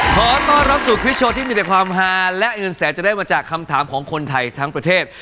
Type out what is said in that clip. ขอต้อนรับสู่พี่โชว์ที่มีแต่ความฮาและเงินแสนจะได้มาจากคำถามของคนไทยทั้งประเทศ